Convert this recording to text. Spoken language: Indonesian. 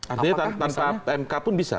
artinya tanpa mk pun bisa